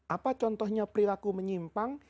apa contohnya perilaku menyimpang